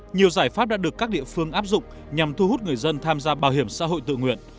nhiều giải pháp đã được các địa phương áp dụng nhằm thu hút người dân tham gia bảo hiểm xã hội tự nguyện